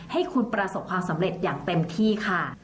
ให้คุณประสบความสำเร็จอย่างเต็มที่ค่ะ